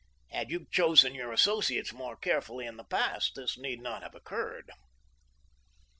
Had you chosen your associates more carefully in the past, this need not have occurred."